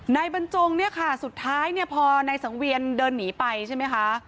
นายบรรจงสุดท้ายพอนายสังเวียนเดินหนีไปใช่ไหมคะ